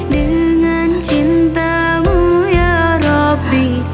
dengan cintamu ya robby